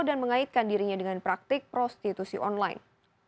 dan mengaitkan dirinya dengan praktik prostitusi online